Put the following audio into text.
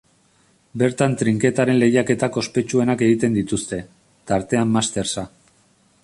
Bertan trinketaren lehiaketak ospetsuenak egiten dituzte, tartean Mastersa.